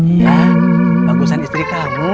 iya kebagusan istri kamu